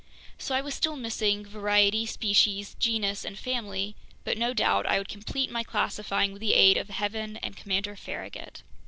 So I was still missing variety, species, genus, and family, but no doubt I would complete my classifying with the aid of Heaven and Commander Farragut.